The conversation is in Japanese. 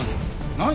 何？